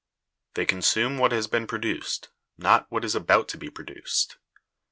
They consume what has been produced, not what is about to be produced.